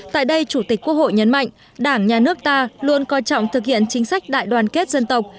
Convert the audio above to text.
tại đây chủ tịch quốc hội nhấn mạnh đảng nhà nước ta luôn coi trọng thực hiện chính sách đại đoàn kết dân tộc